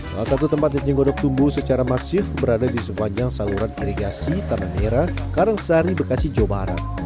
salah satu tempat eceng godok tumbuh secara masif berada di sepanjang saluran irigasi tanah merah karangsari bekasi jawa barat